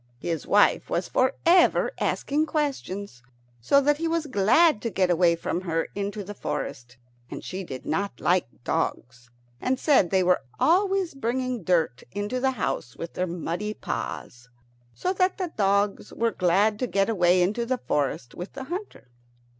His wife was for ever asking questions, so that he was glad to get away from her into the forest. And she did not like dogs, and said they were always bringing dirt into the house with their muddy paws. So that the dogs were glad to get away into the forest with the hunter.